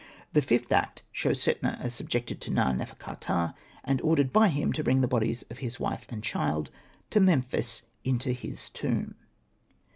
The fifth act shows Setna as subjected to Na.nefer.ka.ptah, and ordered by him to bring the bodies of his wife and child to Memphis into his tomb.